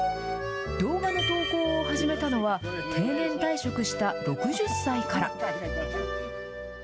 動画の投稿を始めたのは、定年退職した６０歳から。